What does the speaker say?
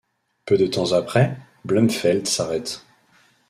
Peu de temps après, Blumfeld s'arrête.